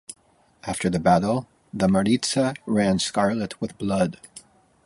After the battle, the Maritsa ran scarlet with blood.